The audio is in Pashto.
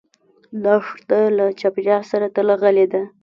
دښته له چاپېریال سره تل غلي ده.